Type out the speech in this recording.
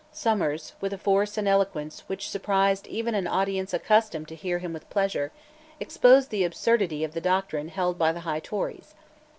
Somers, with a force and eloquence which surprised even an audience accustomed to hear him with pleasure, exposed the absurdity of the doctrine held by the high Tories.